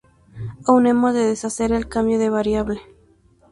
Aún hemos de deshacer el cambio de variable.